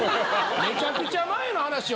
めちゃくちゃ前の話よ